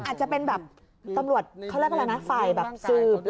อาจจะเป็นแบบตำรวจเขาเรียกแล้วนะ